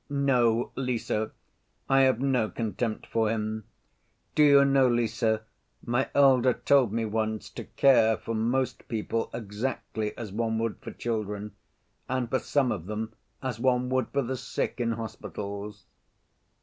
No, Lise, I have no contempt for him. Do you know, Lise, my elder told me once to care for most people exactly as one would for children, and for some of them as one would for the sick in hospitals."